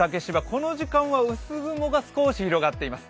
この時間は薄雲が少し広がっています